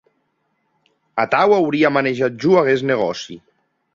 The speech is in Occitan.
Atau auria manejat jo aguest negòci.